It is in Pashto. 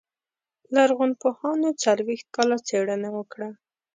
لرغونپوهانو څلوېښت کاله څېړنه وکړه.